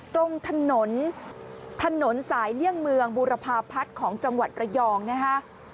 ตรงถนนถนนสายเลี่ยงเมืองบูรพาพัฒน์ของจังหวัดระยองนะฮะ